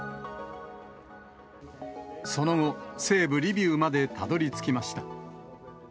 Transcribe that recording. その後、西部リビウまでたどりつきました。